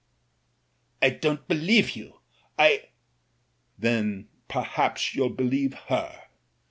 "I don't believe you, I " "Then perhaps you'll believe her.